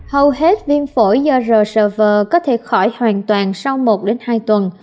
hầu hết viêm phổi do rsv có thể khỏi hoàn toàn sau một hai tuần